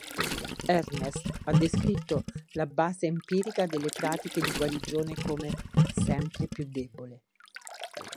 Ernst ha descritto la base empirica delle pratiche di guarigione come "sempre più debole".